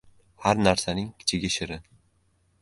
• Har narsaning kichigi shirin.